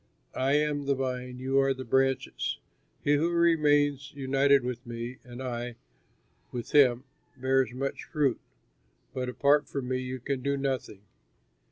I am the vine, you are the branches. He who remains united with me and I with him bears much fruit, but apart from me you can do nothing.